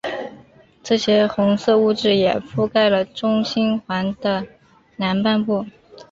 这些红色物质也覆盖了中心环的南半部。